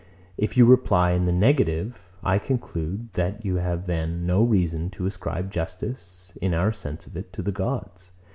If you reply in the negative, I conclude, that you have then no reason to ascribe justice, in our sense of it, to the gods.